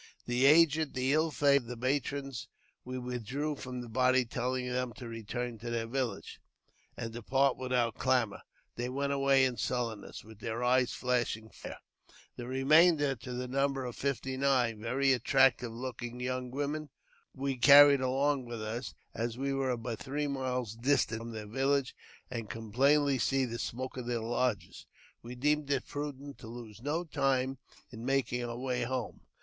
The aged, the ill favoured, and the matrons we withdrew from the body, telling them to return to the village, and depart without clamour. They went away in sullenness, with their eye^ flashing fire. The remainder, to the number of fifty nine, very attractive looking young women, we carried along witli us ; and as we were but three miles distant from their village, and could plainly see the smoke of their lodges, we deemed it prudent to lose no time in making our way home.